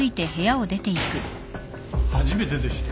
初めてでして。